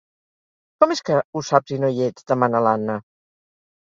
Com és que ho saps i no hi ets? —demana l'Anna.